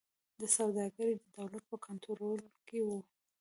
سوداګري د دولت په کنټرول کې وه.